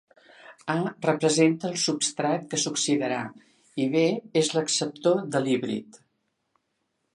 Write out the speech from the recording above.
A representa el substrat que s'oxidarà, y B és l'acceptor de l'hídrid.